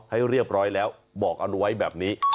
ให้เรียบร้อยแล้วบอกเอาไว้แบบนี้